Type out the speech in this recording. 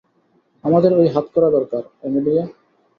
আমাদের ওই হাতকড়া দরকার, অ্যামেলিয়া।